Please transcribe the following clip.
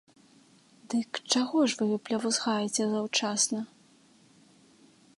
Дык чаго ж вы плявузгаеце заўчасна?